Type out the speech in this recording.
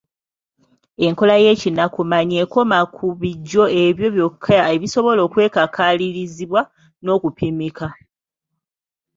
Enkola y’ekinnakumanya ekoma ku bijjo ebyo byokka ebisobola okwekakalirizibwa n’okupimika.